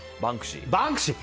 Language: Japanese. バンクシー！